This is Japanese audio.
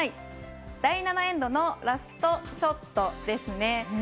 第７エンドのラストショットです。